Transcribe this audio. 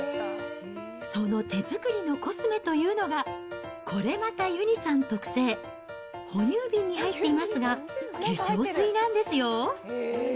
その手作りのコスメというのが、これまたゆにさん特製、哺乳瓶に入っていますが、化粧水なんですよ。